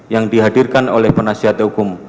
yang dihadirkan oleh penasihat hukum